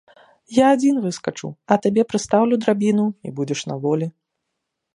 Я адзін выскачу, а табе прыстаўлю драбіну, і будзеш на волі.